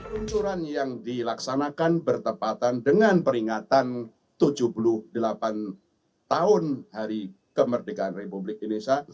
peluncuran yang dilaksanakan bertepatan dengan peringatan tujuh puluh delapan tahun hari kemerdekaan republik indonesia